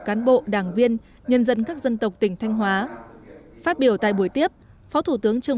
cán bộ đảng viên nhân dân các dân tộc tỉnh thanh hóa phát biểu tại buổi tiếp phó thủ tướng trương